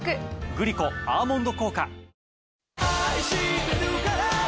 グリコ「アーモンド効果」。